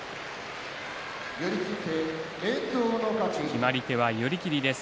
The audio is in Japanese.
決まり手は寄り切りです。